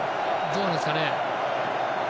どうですかね。